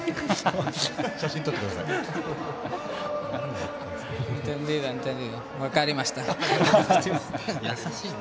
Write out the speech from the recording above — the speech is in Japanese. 写真撮ってください。